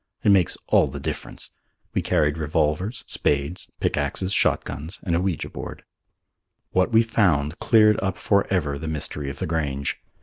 It makes all the difference. We carried revolvers, spades, pickaxes, shotguns and an ouija board. What we found cleared up for ever the mystery of the Grange.